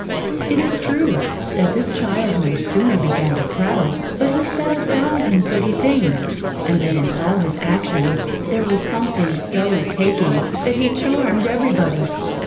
It is true, that this child no sooner began to prattle, but he said a thousand pretty things, and that in all his actions there was something so taking, that he charmed every body.